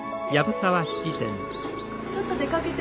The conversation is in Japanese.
ちょっと出かけて。